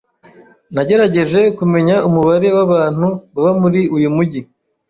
Nagerageje kumenya umubare wabantu baba muri uyu mujyi.